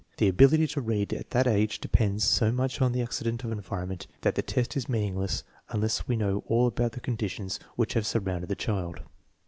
The ability to read at that age depends so much on the ac cident of environment that the test is meaningless unless we know all about the conditions which have surrounded the child.